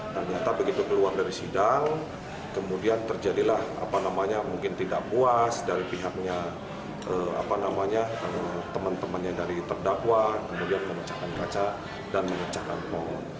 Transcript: dan ternyata begitu keluar dari sidang kemudian terjadilah apa namanya mungkin tidak puas dari pihaknya apa namanya teman temannya dari terdakwa kemudian mengecahkan kaca dan mengecahkan pohon